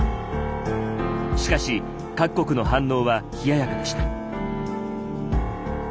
しかし各国の反応は冷ややかでした。